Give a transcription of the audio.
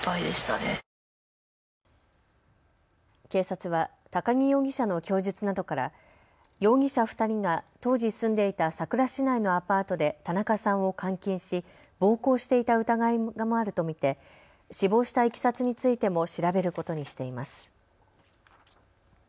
警察は高木容疑者の供述などから容疑者２人が当時住んでいたさくら市内のアパートで田中さんを監禁し暴行していた疑いもあると見て死亡したいきさつについても調べることにしています。